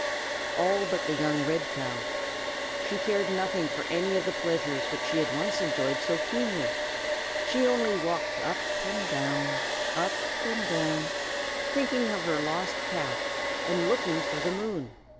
All but the young red cow. She cared nothing for any of the pleasures which she had once enjoyed so keenly; she only walked up and down, up and down, thinking of her lost calf, and looking for the moon.